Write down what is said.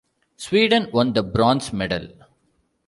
Sweden won the bronze medal.